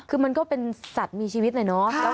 คือมันก็เป็นสัตว์มีชีวิตเลยเนาะ